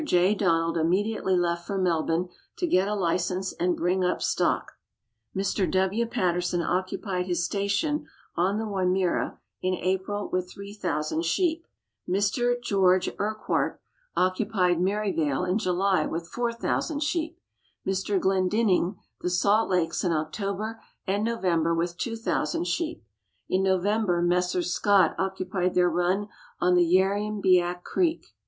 J. Donald immediately left for Melbourne to get a license and bring up stock. Mr. W. Patterson occupied his station on the Wimmera in April with 3,000 sheep. Mr. Geo. Urquhart occupied Maryvale in July with 4,000 sheep ; Mr. Glendinning the Salt Lakes in October and November with 2,000 sheep. In November Messrs. Scott occupied their run on the Yarriambiack Creek.